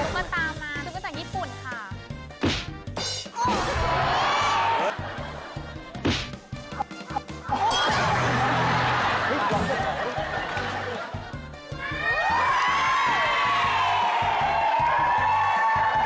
มันตามมาชื่อว่าจากญี่ปุ่นค่ะ